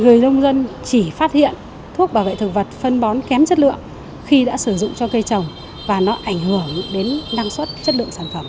người nông dân chỉ phát hiện thuốc bảo vệ thực vật phân bón kém chất lượng khi đã sử dụng cho cây trồng và nó ảnh hưởng đến năng suất chất lượng sản phẩm